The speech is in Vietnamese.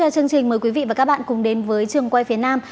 các bạn cùng đến với trường quay phía nam